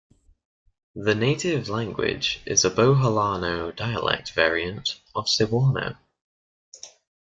The native language is a Boholano dialect variant of Cebuano.